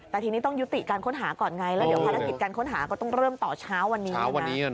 แต่ทีนี้ต้องยุติการค้นหาก่อนไงแล้วเดี๋ยวภารกิจการค้นหาก็ต้องเริ่มต่อเช้าวันนี้นะ